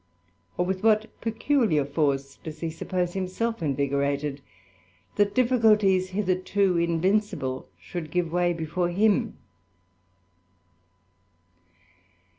or with what peculiar fcite does he suppose himself invigorated, that difficulties toerto invincible should give way before him.